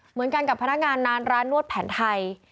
เหมือนกันกับพนักงานนานร้านนวดแผนไทย